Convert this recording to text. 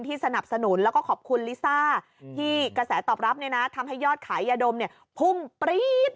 ที่สนับสนุนแล้วก็ขอบคุณลิซ่าที่กระแสตอบรับเนี่ยนะทำให้ยอดขายะดมเนี่ยพุ่งปรี๊บ